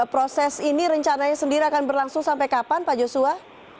proses ini rencananya sendiri akan berlangsung sampai kapan pak joshua